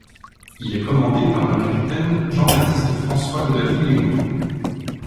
Il est commandé par le capitaine Jean Baptiste François de La Villéon.